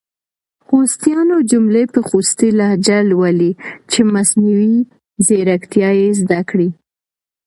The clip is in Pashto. خوستیانو جملي په خوستې لهجه لولۍ چې مصنوعي ځیرکتیا یې زده کړې!